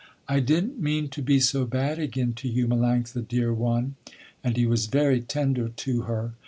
"I didn't mean to be so bad again to you, Melanctha, dear one," and he was very tender to her.